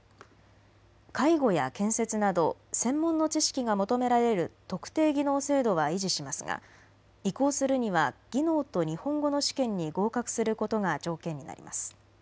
介護や建設など専門の知識が求められる特定技能制度は維持しますが移行するには技能と日本語の試験に合格することが条件になります。